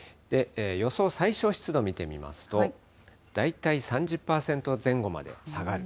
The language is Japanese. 予想最小湿度見てみますと、大体３０％前後まで下がる。